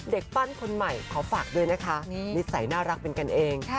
ปั้นคนใหม่ขอฝากด้วยนะคะนิสัยน่ารักเป็นกันเอง